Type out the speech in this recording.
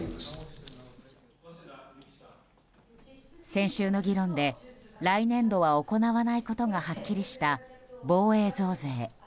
先週の議論で来年度は行わないことがはっきりした、防衛増税。